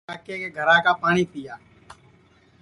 اور کاکے کے گھرا کا پاٹؔی پِیا